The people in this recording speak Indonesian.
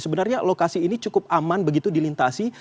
sebenarnya lokasi ini cukup aman begitu dilintasi